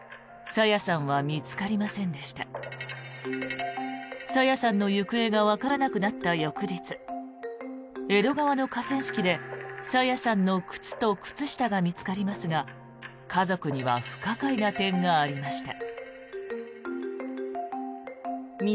朝芽さんの行方がわからなくなった翌日江戸川の河川敷で朝芽さんの靴と靴下が見つかりますが家族には不可解な点がありました。